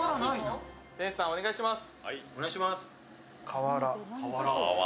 店主さん、お願いします。